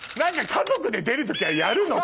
家族で出る時はやるの？